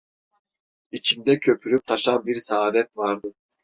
İçinde köpürüp taşan bir saadet vardı.